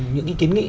những cái kiến nghị